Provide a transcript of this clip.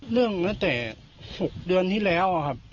ตั้งแต่๖เดือนที่แล้วครับ